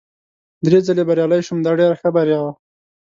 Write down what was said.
درې ځلي بریالی شوم، دا ډېره ښه بریا وه.